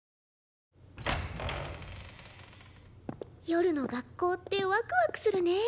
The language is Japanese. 夜の学校ってワクワクするねえ。